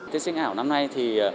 thí sinh ảo năm nay thì